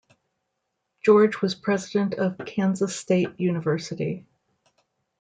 George was president of Kansas State University.